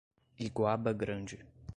Iguaba Grande